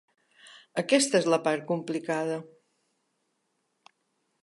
Aquesta és la part complicada.